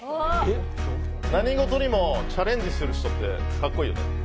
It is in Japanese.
何事にもチャレンジする人ってかっこいいよね。